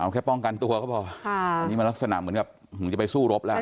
แค่ป้องกันตัวก็พออันนี้มันลักษณะเหมือนกับจะไปสู้รบแล้ว